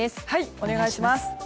お願いします。